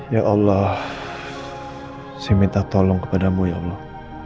ya allah saya minta tolong kepadamu ya allah